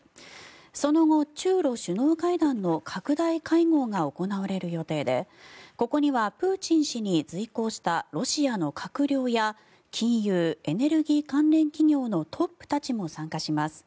その後、中ロ首脳会談の拡大会合が行われる予定でここにはプーチン氏に随行したロシアの閣僚や金融、エネルギー関連企業のトップたちも参加します。